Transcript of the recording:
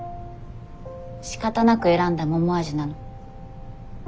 しかたなく選んだ桃味なの？